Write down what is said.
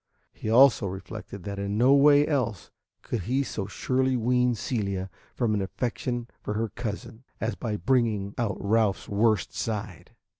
He also reflected that in no way else could he so surely wean Celia from an affection for her cousin, as by bringing out Ralph's worst side.